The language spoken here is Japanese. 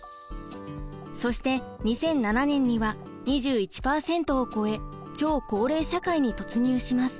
そして２００７年には２１％を超え超高齢社会に突入します。